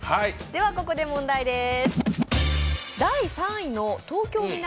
ここで問題です。